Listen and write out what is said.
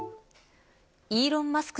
イーロン・マスク